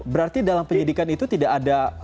berarti dalam penyidikan itu tidak ada